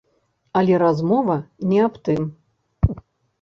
Але размова не аб тым.